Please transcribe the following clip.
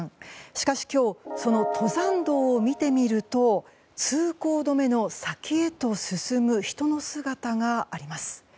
しかし今日その登山道を見てみると通行止めの先へと進む人の姿があります。